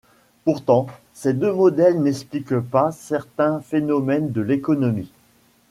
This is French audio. Pourtant, ces deux modèles n'expliquent pas certains phénomènes de l'économie.